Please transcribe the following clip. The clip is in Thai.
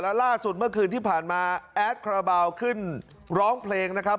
ล่าสุดเมื่อคืนที่ผ่านมาแอดคาราบาลขึ้นร้องเพลงนะครับ